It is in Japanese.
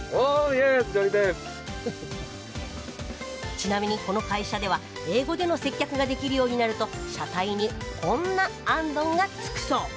ちなみにこの会社では英語での接客ができるようになると車体にこんな行灯が付くそう。